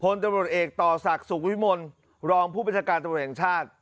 พลตรวจเอกต่อศักดิ์สูงวิมนต์รองผู้บริษัทการตรวจแห่งชาติ